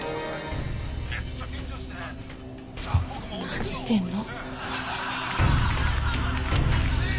何してんの？